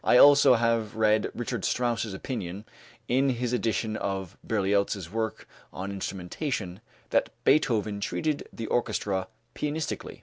I also have read Richard Strauss's opinion, in his edition of Berlioz's work on instrumentation, that Beethoven treated the orchestra pianistically.